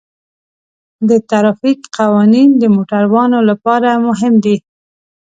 د ترافیک قوانین د موټروانو لپاره مهم دي.